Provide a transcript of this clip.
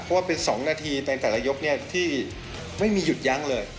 เพราะว่าเป็น๒นาทีในแต่ละยกที่ไม่มีหยุดยั้งเลย